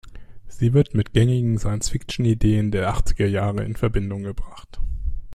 Sie wird mit „gängigen Science-Fiction-Ideen der Achtzigerjahre“ in Verbindung gebracht.